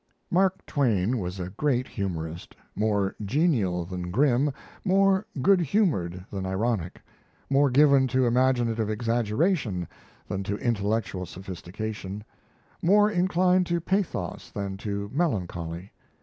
Mark Twain was a great humorist more genial than grim, more good humoured than ironic, more given to imaginative exaggeration than to intellectual sophistication, more inclined to pathos than to melancholy.